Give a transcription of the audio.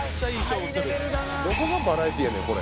どこがバラエティーやねんこれ。